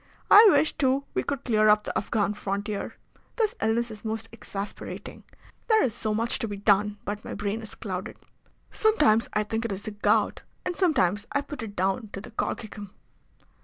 I wish, too, we could clear up the Afghan frontier. This illness is most exasperating. There is so much to be done, but my brain is clouded. Sometimes I think it is the gout, and sometimes I put it down to the colchicum."